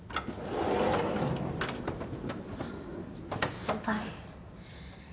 先輩。